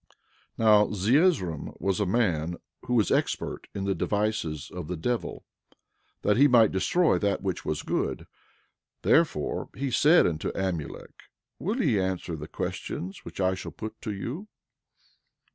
Now Zeezrom was a man who was expert in the devices of the devil, that he might destroy that which was good; therefore, he said unto Amulek: Will ye answer the questions which I shall put unto you?